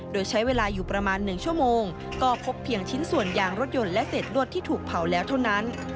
โดยใช้เวลาอยู่ประมาณ๑ชั่วโมงก็พบเพียงชิ้นส่วนยางรถยนต์และเศษลวดที่ถูกเผาแล้วเท่านั้น